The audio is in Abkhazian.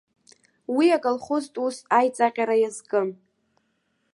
Уи аколхозтә ус аиҵаҟьара иазкын.